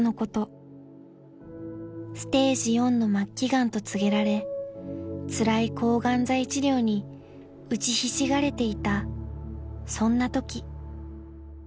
［ステージ４の末期がんと告げられつらい抗がん剤治療に打ちひしがれていたそんなとき］